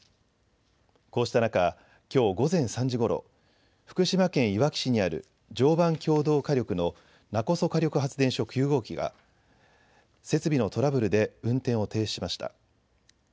こうした中、きょう午前３時ごろ福島県いわき市にある常磐共同火力の勿来火力発電所９号機が設備のトラブルで運転を停止しました。